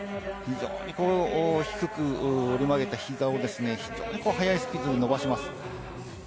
非常に低く折り曲げた膝を速いスピードで伸ばします。